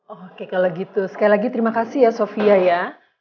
oke kalau gitu sekali lagi terima kasih ya sofia ya